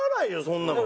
そんなの。